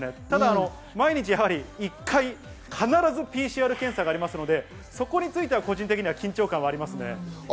ただ毎日１回、必ずＰＣＲ検査がありますので、そこについては個人的には緊張感があります。